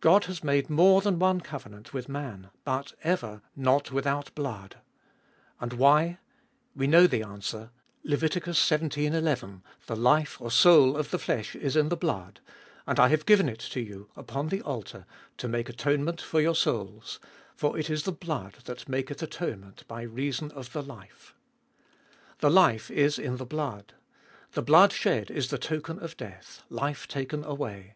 God has made more than one covenant with man, but ever, not without blood ! And why ? We know the answer (Lev. xvii. n) : The life (soul) of 'the flesh is in the blood ; and I have given it to you upon the altar to make atonement for your 316 ZTbe Iboliest of 2UI souls : for it is the blood that maketh atonement by reason of the life. The life is in the blood. The blood shed is the token of death, life taken away.